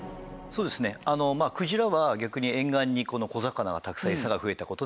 クジラは逆に沿岸に小魚がたくさん餌が増えた事で追ってきている。